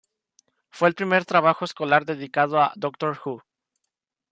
Fue el primer trabajo escolar dedicado a "Doctor Who".